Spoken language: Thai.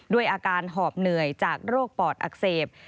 ด้วยอาการหอบเหนื่อยจากโรคปอดอักเสบ